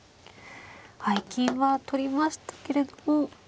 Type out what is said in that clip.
はい金は取りましたけれども。